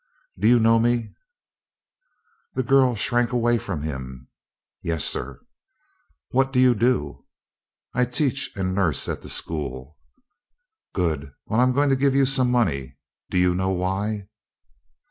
"Do you know me?" The girl shrank away from him. "Yes, sir." "What do you do?" "I teach and nurse at the school." "Good! Well, I'm going to give you some money do you know why?"